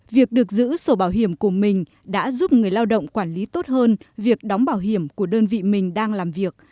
việc được giữ sổ bảo hiểm của mình đã giúp người lao động quản lý tốt hơn việc đóng bảo hiểm của đơn vị mình đang làm việc